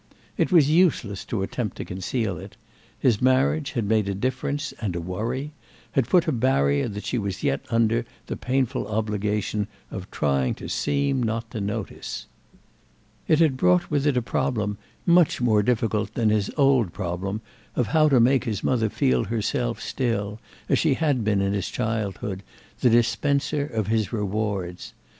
It was useless to attempt to conceal it: his marriage had made a difference and a worry, had put a barrier that she was yet under the painful obligation of trying to seem not to notice. It had brought with it a problem much more difficult than his old problem of how to make his mother feel herself still, as she had been in his childhood, the dispenser of his rewards.